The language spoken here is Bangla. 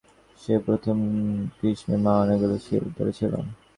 সেই প্রথম গ্রীষ্মে মা অনেকগুলি সিল ধরেছিল।